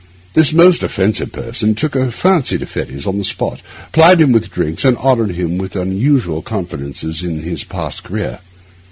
This most offensive person took a fancy to Fettes on the spot, plied him with drinks, and honoured him with unusual confidences on his past career.